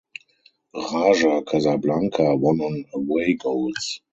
Raja Casablanca won on away goals.